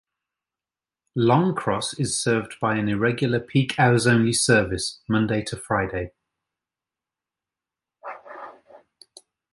Longcross is served by an irregular peak hours only service, Monday to Friday.